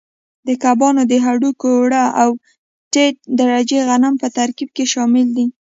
د کبانو د هډوکو اوړه او ټیټ درجې غنم په ترکیب کې شامل دي.